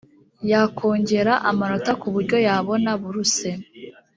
yakongera amanota ku buryo yabona buruse